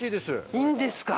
いいんですか。